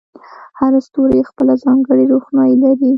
هر ستوری خپله ځانګړې روښنایي لري.